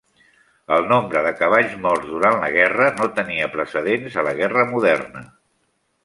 El nombre de cavalls morts durant la guerra no tenia precedents a la guerra moderna.